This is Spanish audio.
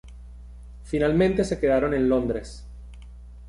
Finalmente se quedaron en Londres.